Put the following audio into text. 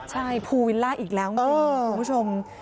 ใช่ภูวิลล่าอีกแล้วจริงคุณผู้ชม